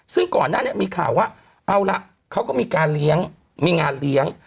ซึ่งก่อนหน้านี้มีข่าวว่าเอาละเขาก็มีการเลี้ยงมีงานเลี้ยง